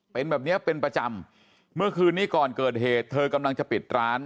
เป็นแบบเนี้ยเป็นประจำเมื่อคืนนี้ก่อนเกิดเหตุเธอกำลังจะปิดร้าน